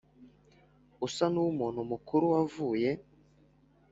usa nuwumuntu mukuru wavuye